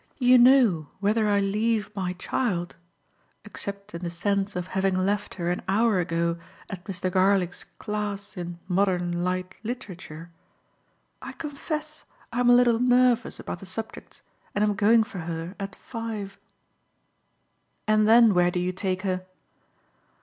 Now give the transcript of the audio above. You know whether I leave my child except in the sense of having left her an hour ago at Mr. Garlick's class in Modern Light Literature. I confess I'm a little nervous about the subjects and am going for her at five." "And then where do you take her?"